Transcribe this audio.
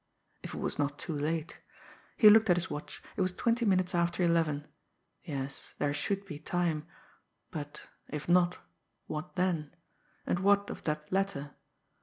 If it was not too late! He looked at his watch. It was twenty minutes after eleven. Yes, there should be time; but, if not what then? And what of that letter?